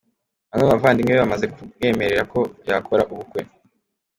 Bamwe mu bavandimwe be bamaze kumwemerera ko yakora ubukwe.